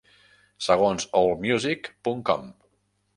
Segons Allmusic punt com.